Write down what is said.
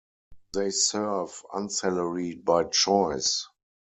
They serve unsalaried by choice.